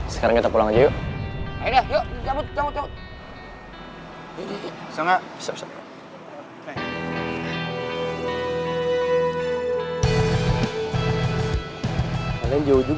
sekarang kita pulang aja yuk dicabut